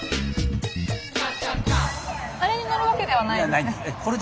あれに乗るわけではないんですね？